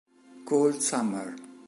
Cold Summer